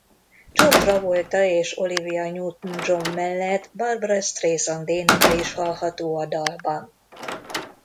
John Travolta és Olivia Newton-John mellett Barbra Streisand éneke is hallható a dalban.